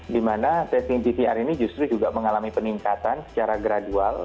di mana testing pcr ini justru juga mengalami peningkatan secara gradual